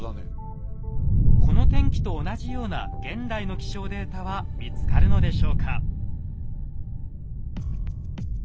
この天気と同じような現代の気象データは見つかるのでしょうか？